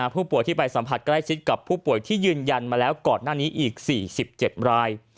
ผู้ป่วยที่ไปสัมผัสใกล้ชิดกับผู้ป่วยที่ยืนยันมาแล้วก่อนหน้านี้อีก๔๗ราย